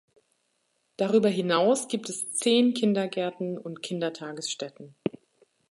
Darüber hinaus gibt es zehn Kindergärten und Kindertagesstätten.